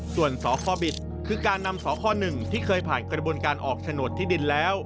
ส่วนสอข้อบิดคือการนำสอข้อหนึ่งที่เคยผ่านกระบวนการออกฉนดที่ดินแล้ว